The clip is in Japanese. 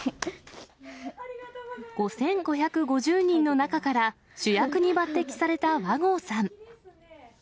５５５０人の中から主役に抜てきされた和合さん。